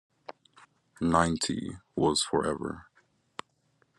"Ninety"... was forever.